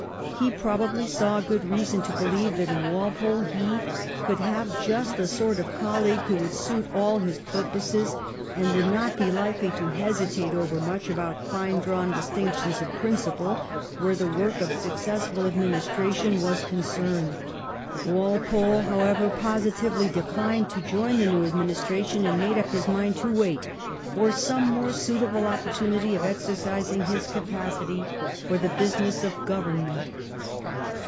He probably saw good reason to believe that in Walpole he could have just the sort of colleague who would suit all his purposes, and would not be likely to hesitate over much about fine drawn distinctions of principle where the work of successful administration was concerned. Walpole, however, positively declined to join the new administration, and made up his mind to wait for some more suitable opportunity of exercising his capacity for the business of govern ment.